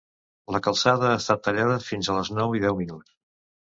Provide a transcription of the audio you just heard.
La calçada ha estat tallada fins a les nou i deu minuts.